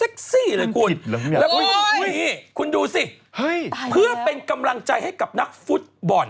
คุณดูว่าเพื่อเป็นกำลังใจให้กับนักฟุตบอล